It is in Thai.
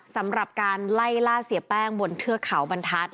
สำหรับการไล่ล่าเสียแป้งบนเทือกเขาบรรทัศน